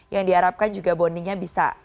yang diharapkan juga bondingnya bisa antara dua orang